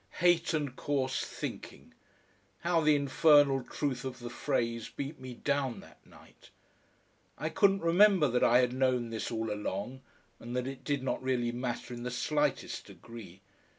Hate and coarse thinking; how the infernal truth of the phrase beat me down that night! I couldn't remember that I had known this all along, and that it did not really matter in the slightest degree.